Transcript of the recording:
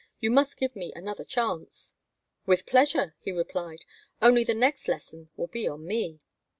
"You must give me another chance." "With pleasure," he replied. "Only the next 'lesson' will be on me."